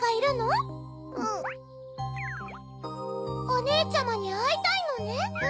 おねえちゃまにあいたいのね？